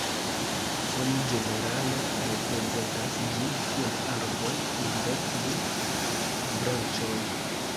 Oni ĝenerale reprezentas ĝin kiel arbon kun dek du branĉoj.